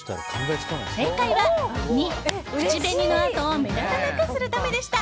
正解は２、口紅の跡を目立たなくするためでした。